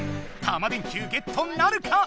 タマ電Ｑゲットなるか？